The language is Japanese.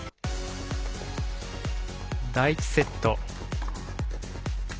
第１セット。